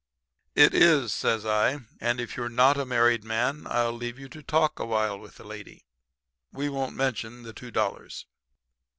"'It is,' says I. 'And if you're not a married man I'll leave you to talk a while with the lady. We won't mention the two dollars.'